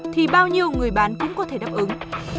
thì bao nhiêu người bán cũng có thể đáp ứng